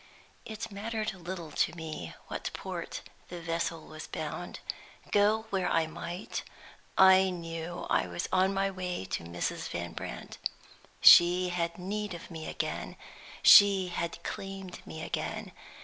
IT mattered little to me to what port the vessel was bound. Go where I might, I knew that I was on my way to Mrs. Van Brandt. She had need of me again; she had claimed me again.